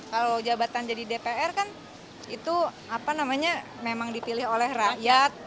kalau jabatan jadi dpr kan itu memang dipilih oleh rakyat